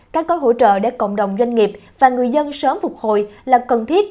các cơ hội hỗ trợ để cộng đồng doanh nghiệp và người dân sớm phục hồi là cần thiết